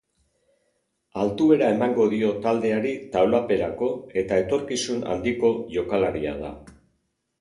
Altuera emango dio taldeari taulaperako eta etorkizun handiko jokalaria da.